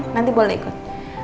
nanti boleh ikut